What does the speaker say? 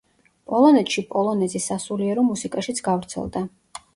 პოლონეთში პოლონეზი სასულიერო მუსიკაშიც გავრცელდა.